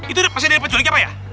itu pasien dari penculiknya apa ya